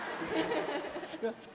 すいません。